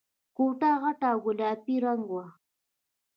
کوټه غټه او گلابي رنګه وه.